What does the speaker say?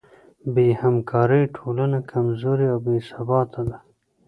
بېهمکارۍ ټولنه کمزورې او بېثباته ده.